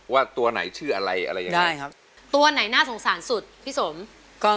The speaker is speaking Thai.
ว่าตัวไหนชื่ออะไรอะไรยังไง